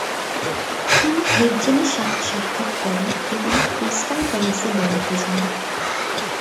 তিনি হের্জেনের সাথে সাক্ষাৎ করেন এবং ক্রিস্টাল প্যালেসে বেড়াতে যান।